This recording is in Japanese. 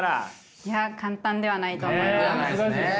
いや簡単ではないと思います。